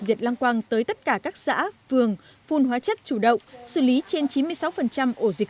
diệt lăng quăng tới tất cả các xã phường phun hóa chất chủ động xử lý trên chín mươi sáu ổ dịch